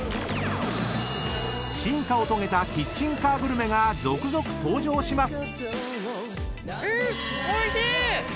［進化を遂げたキッチンカーグルメが続々登場します］